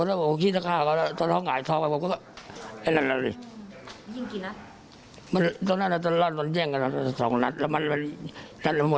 รักดีมากเมื่อกี้คนคบกันมานาน